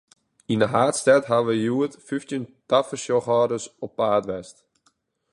Yn de haadstêd hawwe hjoed fyftjin tafersjochhâlders op paad west.